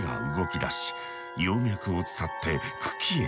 葉脈を伝って茎へ到達。